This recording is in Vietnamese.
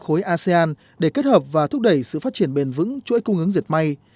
khối asean để kết hợp và thúc đẩy sự phát triển bền vững chuỗi cung ứng diệt may